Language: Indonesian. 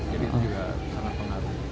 jadi itu juga sangat pengaruh